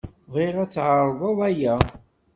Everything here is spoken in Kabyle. Bɣiɣ ad tɛeṛḍeḍ aya.